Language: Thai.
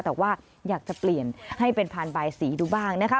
แต่ว่าอยากจะเปลี่ยนให้เป็นพานบายสีดูบ้างนะคะ